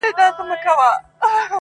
د ګدا لور ښایسته وه تکه سپینه.!